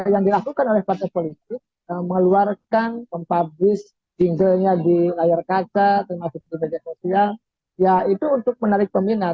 yang dilakukan oleh partai politik mengeluarkan mempublis jingle nya di layar kaca termasuk di media sosial ya itu untuk menarik peminat